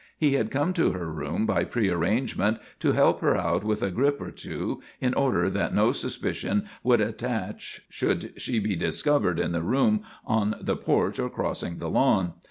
He had come to her room by prearrangement to help her out with a grip or two in order that no suspicion would attach should she be discovered in the room, on the porch, or crossing the lawn.